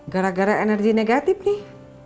gara gara energi negatif nih